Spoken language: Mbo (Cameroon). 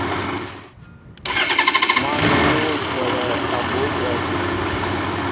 Măn yu a kolɛɛ abú kwɛl.